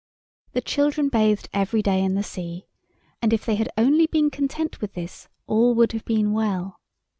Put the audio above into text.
The children bathed every day in the sea, and if they had only been content with this all would have been well.